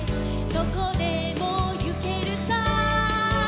どこでもゆけるさ」